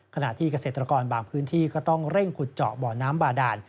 ขณะที่เกษตรกรบางพื้นที่ก็ต้องเร่งขุดเจาะบ่อน้ำบาดาน